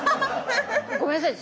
ごめんなさい。